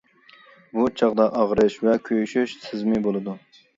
بۇ چاغدا ئاغرىش ۋە كۆيۈشۈش سېزىمى بولىدۇ.